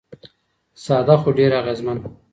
ساده خو ډېر اغېزمن.